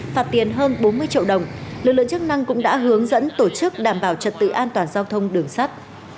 phạt tiền hơn bốn mươi triệu đồng lực lượng chức năng cũng đã hướng dẫn tổ chức đảm bảo trật tự an toàn giao thông đường sắt